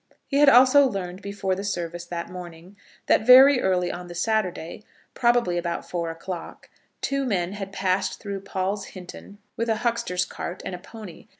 He had also learned, before the service that morning, that very early on the Saturday, probably about four o'clock, two men had passed through Paul's Hinton with a huxter's cart and a pony.